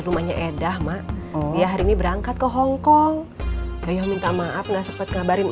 rumahnya edah mak oh ya hari ini berangkat ke hongkong yaitu minta maaf gak sempet ngabarin